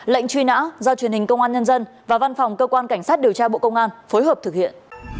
lệnh truy nã do truyền hình công an nhân dân và văn phòng cơ quan cảnh sát điều tra bộ công an phối hợp thực hiện